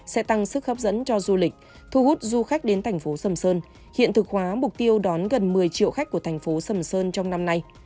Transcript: sẽ tăng sức hấp dẫn cho du lịch thu hút du khách đến tp sầm sơn hiện thực hóa mục tiêu đón gần một mươi triệu khách của tp sầm sơn trong năm nay